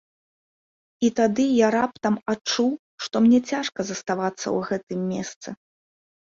І тады я раптам адчуў, што мне цяжка заставацца ў гэтым месцы.